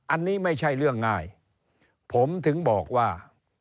อันนี้ไม่ใช่เรื่องง่ายผมถึงบอกว่า